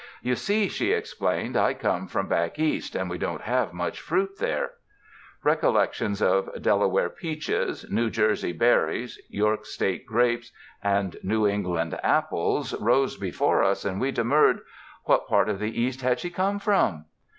"You see," she explained, "I come from back East, and we don't have much fruit there." Recollections of Delaware peaches, New Jersey berries, York State grapes and New England apples, 260 RESIDENCE IN THE LAND OF SUNSHINE rose before us, and we demurred. What part of the East had she come from?